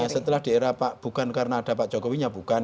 setelah di era pak bukan karena ada pak jokowinya bukan